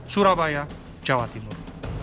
surabaya jawa timur